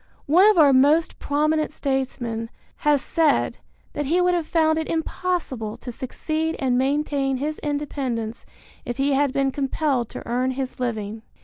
One of our most prominent statesmen has said that he would have found it impossible to succeed and maintain his independence if he had been compelled to earn his living.